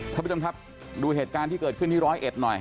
ท่านผู้ชมครับดูเหตุการณ์ที่เกิดขึ้นที่ร้อยเอ็ดหน่อย